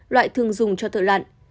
loại thường dùng cho thợ lặn